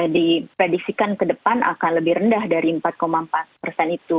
diprediksikan ke depan akan lebih rendah dari empat empat persen itu